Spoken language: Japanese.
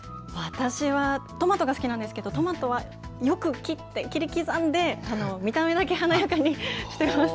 私はトマトが好きなんですが、トマトをよく切って見た目だけ華やかにしています。